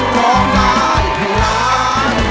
ร้องได้ให้ล้าน